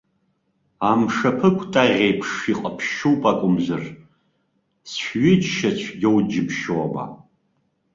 Амшаԥыкәтаӷь еиԥш иҟаԥшьуп акәымзар, цәҩыча цәгьоу џьыбшьома?